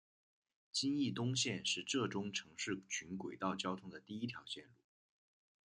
金义东线是浙中城市群轨道交通的第一条线路。